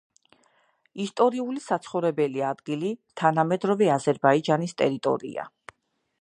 ისტორიული საცხოვრებელი ადგილი თანამედროვე აზერბაიჯანის ტერიტორია.